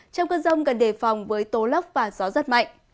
trong cơn rông cần đề phòng với tố lốc và gió rất mạnh